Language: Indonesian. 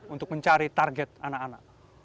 untuk mencari target anak anak